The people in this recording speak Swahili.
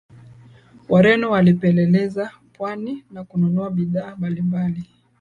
Wareno walipeleleza pwani na kununua bidhaa mbalimbali